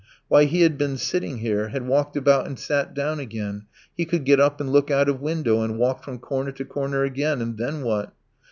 Why, he had been sitting here, had walked about and sat down again; he could get up and look out of window and walk from corner to corner again, and then what?